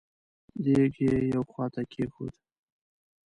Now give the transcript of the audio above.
دېګ يې يوې خواته کېښود.